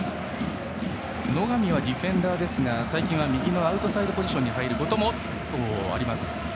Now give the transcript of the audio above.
野上はディフェンダーですが最近は右のアウトサイドポジションに入ることもあります。